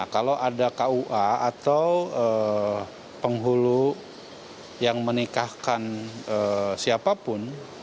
kalau ada kua atau penghulu yang menikahkan siapapun